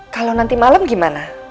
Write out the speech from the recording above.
kalau nanti malem gimana